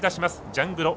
ジャングロ。